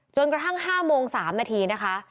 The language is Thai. กระทั่ง๕โมง๓นาทีนะคะ